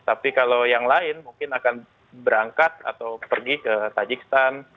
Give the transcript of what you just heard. tapi kalau yang lain mungkin akan berangkat atau pergi ke tajikstan